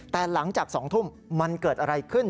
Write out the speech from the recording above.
แต่หลังจาก๒ทุ่มมันเกิดอะไรขึ้น